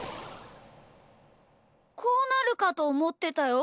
こうなるかとおもってたよ。